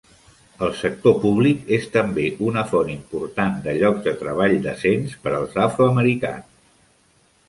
El sector públic és també una font important de llocs de treball decents per als afroamericans.